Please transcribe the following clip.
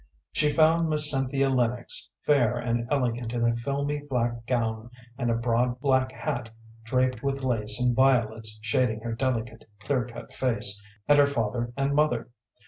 She found Miss Cynthia Lennox, fair and elegant in a filmy black gown, and a broad black hat draped with lace and violets shading her delicate, clear cut face, and her father and mother.